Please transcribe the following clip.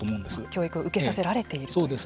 教育を受けさせられているという。